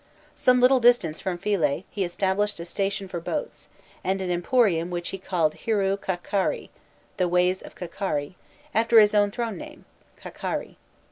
Some little distance from Phihe he established a station for boats, and an emporium which he called Hirû Khâkerî "the Ways of Khâkerî" after his own throne name Khâkerî.